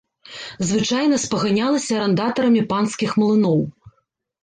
Звычайна спаганялася арандатарамі панскіх млыноў.